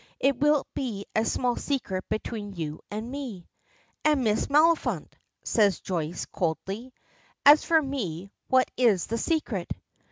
It will be a small secret between you and me." "And Miss Maliphant," says Joyce, coldly. "As for me, what is the secret?"